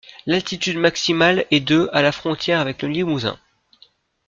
L'altitude maximale est de à la frontière avec le Limousin.